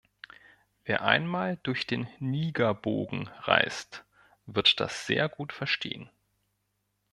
Wer einmal durch den Nigerbogen reist, wird das sehr gut verstehen.